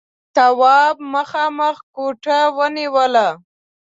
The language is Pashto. تواب مخامخ ګوته ونيوله: